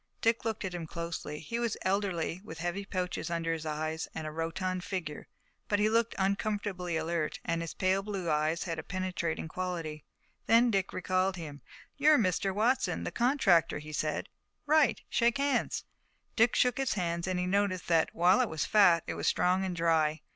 Dick looked at him closely. He was elderly, with heavy pouches under his eyes and a rotund figure, but he looked uncommonly alert and his pale blue eyes had a penetrating quality. Then Dick recalled him. "You're Mr. Watson, the contractor," he said. "Right. Shake hands." Dick shook his hand, and he noticed that, while it was fat, it was strong and dry.